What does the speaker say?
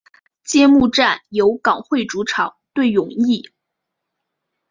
揭幕战由港会主场对永义。